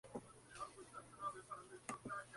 El leal perro, Sparky, es la Mascota Jefe del proyecto.